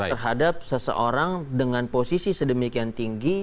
terhadap seseorang dengan posisi sedemikian tinggi